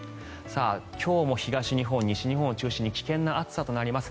今日も東日本、西日本を中心に危険な暑さとなります。